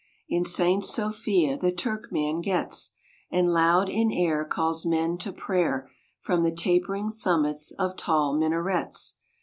In Saint Sophia the Turkman gets, And loud in air calls men to prayer From the tapering summits of tall minarets.